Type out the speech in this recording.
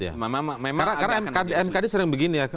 karena mkd sering begini ya